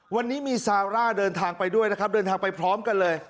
วันนี้มีซาร่าเดินทางไปด้วยนะครับเดินทางไปพร้อมกันเลย